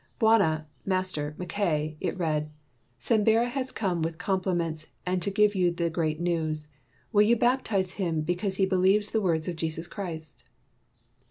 "Bwana [Master] Mackay," it read, " Sembera has come with compliments and to give you the great news. "Will you bap tize him, because he believes the words of Jesus Christ?"